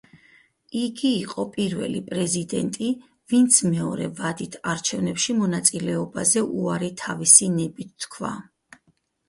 იგი იყო პირველი პრეზიდენტი, ვინც მეორე ვადით არჩევნებში მონაწილეობაზე უარი თავისი ნებით თქვა.